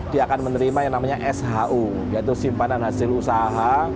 dia akan menerima yang namanya shu yaitu simpanan hasil usaha